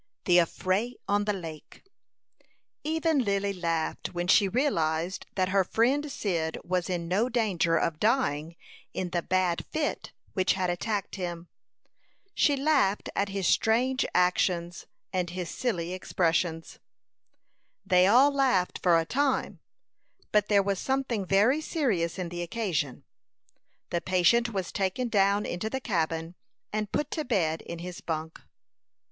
THE AFFRAY ON THE LAKE Even Lily laughed when she realized that her friend Cyd was in no danger of dying in the bad fit which had attacked him; she laughed at his strange actions and his silly expressions; they all laughed for a time, but there was something very serious in the occasion. The patient was taken down into the cabin, and put to bed in his bunk.